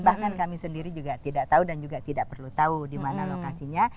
bahkan kami sendiri juga tidak tahu dan juga tidak perlu tahu di mana lokasinya